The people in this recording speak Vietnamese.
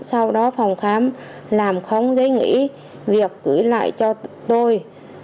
sau đó phòng khám làm khống để nghỉ việc gửi lại cho tôi